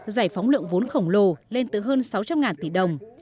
giải phóng lượng vốn khổng lồ lên tới hơn sáu trăm linh tỷ đồng